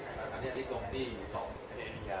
หลังจากนี้ก็ได้เห็นว่าหลังจากนี้ก็ได้เห็นว่า